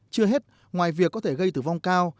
chưa hết ngoài việc có thể gây tử vong cao